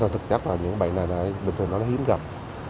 thực chất là những bệnh này đã bình thường nó hiếm gặp